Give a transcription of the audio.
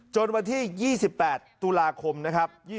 วันที่๒๘ตุลาคมนะครับ